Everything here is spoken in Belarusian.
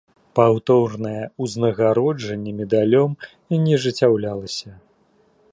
Паўторнае ўзнагароджанне медалём не ажыццяўлялася.